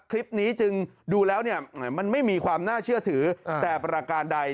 คลิปนี้จึงดูแล้วเนี่ยมันไม่มีความน่าเชื่อถือแต่ประการใด